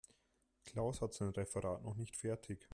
Klaus hat sein Referat noch nicht fertig.